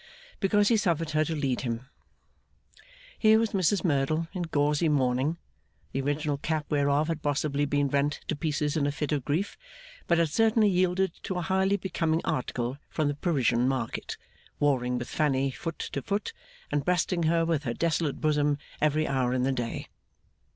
because he suffered her to lead him. Here was Mrs Merdle in gauzy mourning the original cap whereof had possibly been rent to pieces in a fit of grief, but had certainly yielded to a highly becoming article from the Parisian market warring with Fanny foot to foot, and breasting her with her desolate bosom every hour in the day.